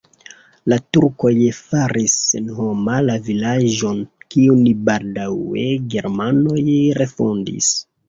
La turkoj faris senhoma la vilaĝon, kiun baldaŭe germanoj refondis.